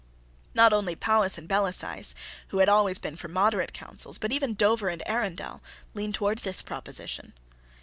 Not only Powis and Bellasyse, who had always been for moderate counsels, but even Dover and Arundell, leaned towards this proposition.